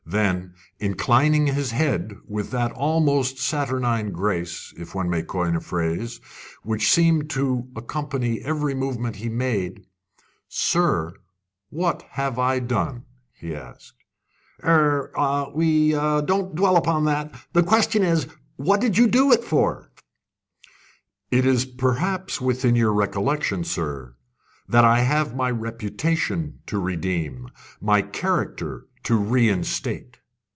Then, inclining his head with that almost saturnine grace, if one may coin a phrase, which seemed to accompany every movement he made: "Sir, what have I done?" he asked. "Eh eh we we won't dwell upon that. The question is, What did you do it for?" "It is perhaps within your recollection, sir, that I have my reputation to redeem, my character to reinstate."